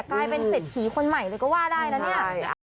กลายเป็นเศรษฐีคนใหม่เลยก็ว่าได้นะเนี่ย